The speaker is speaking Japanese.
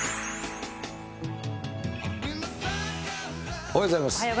おはようございます。